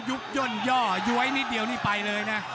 ย่นย่อย้วยนิดเดียวนี่ไปเลยนะ